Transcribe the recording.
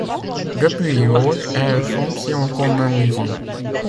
Depuis lors, elle fonctionne comme un musée.